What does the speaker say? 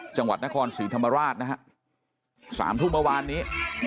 จังหวัดนครศรีธรรมราชนะฮะสามทุ่มเมื่อวานนี้